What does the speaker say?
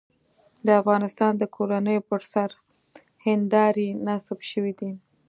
د افغانستان د کورونو پر سر هندارې نصب شوې دي.